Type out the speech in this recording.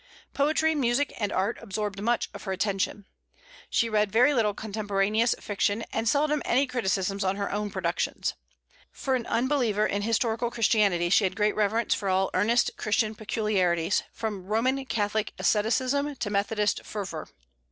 Poetry, music, and art absorbed much of her attention. She read very little contemporaneous fiction, and seldom any criticisms on her own productions. For an unbeliever in historical Christianity, she had great reverence for all earnest Christian peculiarities, from Roman Catholic asceticism to Methodist fervor.